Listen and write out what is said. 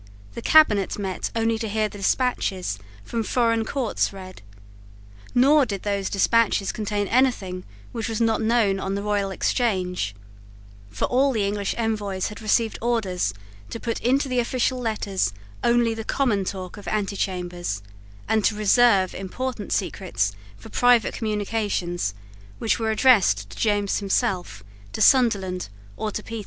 The cabinet met only to hear the despatches from foreign courts read: nor did those despatches contain anything which was not known on the Royal Exchange; for all the English Envoys had received orders to put into the official letters only the common talk of antechambers, and to reserve important secrets for private communications which were addressed to James himself, to Sunderland, or to Petre.